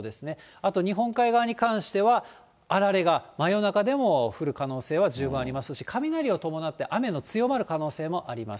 あと日本海側に関しては、あられが真夜中でも降る可能性は十分ありますし、雷を伴って、雨が強まる可能性もあります。